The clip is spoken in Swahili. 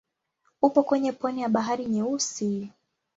Upo kwenye pwani ya Bahari Nyeusi.